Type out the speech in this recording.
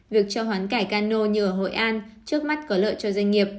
việc cho hoán cải cano như ở hội an trước mắt có lợi cho doanh nghiệp